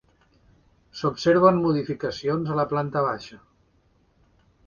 S'observen modificacions a la planta baixa.